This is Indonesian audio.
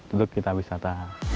untuk kita wisata